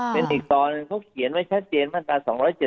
เป็นอีกตอนหนึ่งเขาเขียนไว้ชัดเจนมาตรา๒๗